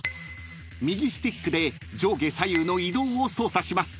［右スティックで上下左右の移動を操作します］